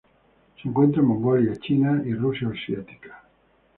Se encuentra en Mongolia, China y Rusia asiática.